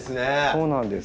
そうなんです。